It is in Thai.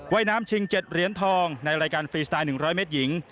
ว่ายน้ำชิง๗เหรียญทองในรายการฟรีสไตล์๑๐๐เมตรหญิง